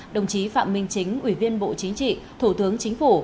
đồng chí phạm minh chính ủy viên bộ chính trị thủ tướng chính phủ